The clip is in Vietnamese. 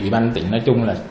uyên văn tỉnh nói chung là